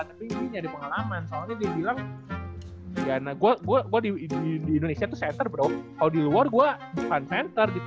tapi nyari pengalaman soalnya dia bilang gue di indonesia tuh center bro kalau di luar gue bukan center gitu